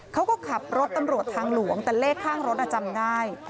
เขาก็ขับรถตำรวจทางหลวงแต่เลขข้างรถจำได้